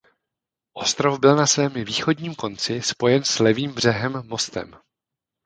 Ostrov byl na svém východním konci spojen s levým břehem mostem.